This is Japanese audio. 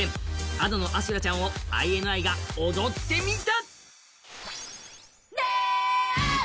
Ａｄｏの「阿修羅ちゃん」をＩＮＩが踊ってみた！